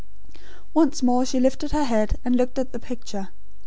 Once more she lifted her head and looked at the picture.